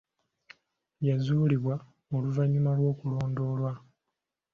Yazuuliddwa oluvannyuma lw'okulondoolwa.